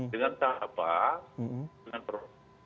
dengan tahap apa